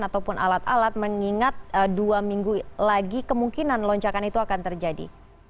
ataupun alat alat mengingat dua minggu lagi kemungkinan lonjakan itu akan terjadi